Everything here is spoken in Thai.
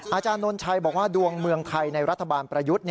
อาจารย์นนชัยบอกว่าดวงเมืองไทยในรัฐบาลประยุทธ์